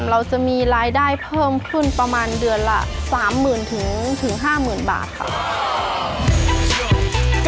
เราจะมีรายได้เพิ่มขึ้นประมาณเดือนละ๓หมื่นถึง๕หมื่นบาทค่ะ